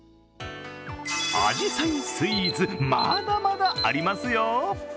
あじさいスイーツまだまだありますよ。